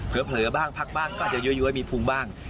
เผลอบ้างพักบ้างกลายเยอะมีภูมิบ้าง